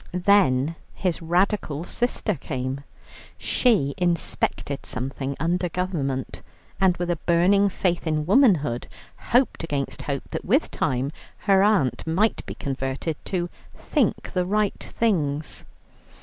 Then his Radical sister came. She inspected something under Government, and with a burning faith in womanhood hoped against hope that with time her aunt must be converted "to think the right things."